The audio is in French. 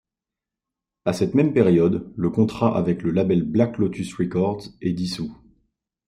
À cette même période, le contrat avec le label Black Lotus Records est dissous.